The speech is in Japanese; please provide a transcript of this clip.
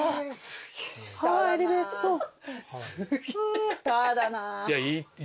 スターだな。